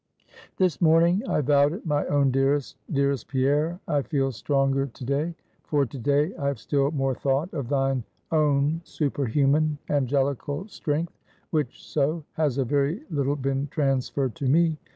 "This morning I vowed it, my own dearest, dearest Pierre I feel stronger to day; for to day I have still more thought of thine own superhuman, angelical strength; which so, has a very little been transferred to me.